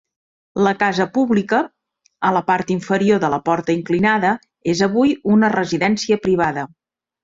La casa pública, a la part inferior de la porta inclinada, és avui una residència privada.